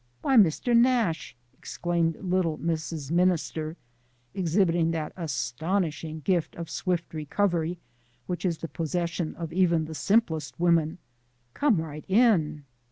"Why, Mr. Nash," exclaimed little Mrs. Minister, exhibiting that astonishing gift of swift recovery which is the possession of even the simplest women, "come right in."